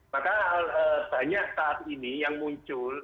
maka banyak saat ini yang muncul